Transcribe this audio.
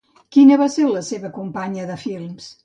Quina va ser la seva companya de films?